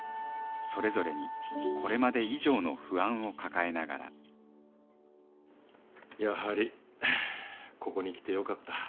それぞれにこれまで以上の不安を抱えながらやはりここに来て良かった。